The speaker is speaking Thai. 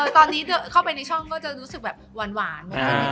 ตอนนี้เช่านี้เค้าไปช่องคือก็จะรู้สึกแบบหวาน